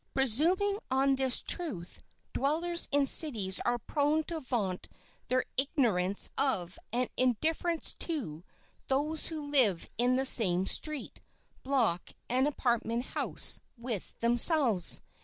Presuming on this truth, dwellers in cities are prone to vaunt their ignorance of, and indifference to, those who live in the same street, block and apartment house with themselves.